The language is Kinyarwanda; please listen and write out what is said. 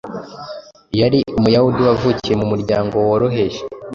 yari Umuyahudi wavukiye mu muryango woroheje,